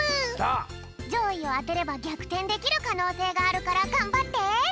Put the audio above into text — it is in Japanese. じょういをあてればぎゃくてんできるかのうせいがあるからがんばって！